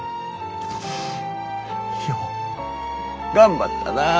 よう頑張ったなあ。